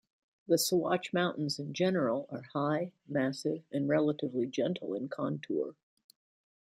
The Sawatch mountains in general are high, massive, and relatively gentle in contour.